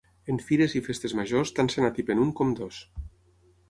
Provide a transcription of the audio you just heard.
En fires i festes majors tant se n'atipen un com dos.